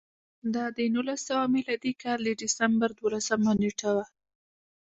دا د نولس سوه میلادي کال د ډسمبر دولسمه نېټه وه